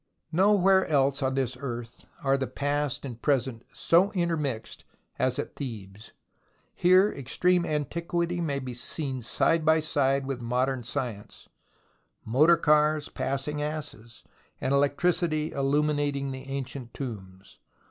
Nowhere else on this earth are the past and present so intermixed as at Thebes. Here ex treme antiquity may be seen side by side with modern science, motor cars passing asses, and electricity illuminating the ancient tombs.